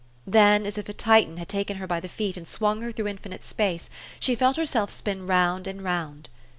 Then, as if a Titan had taken her by the feet, and swung her through infinite space, she felt herself spin round and round.